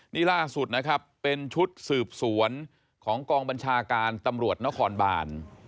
นี่ล่าสุดนะครับเป็นชุดสืบสวนของกองบัญชาการตำรวจนครบาน